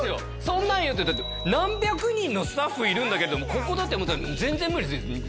そんなん言ってだって何百人のスタッフいるんだけどもここだって全然無理ですよ